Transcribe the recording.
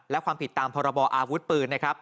และความผิดตามพรบออาวุธปืนนะครับ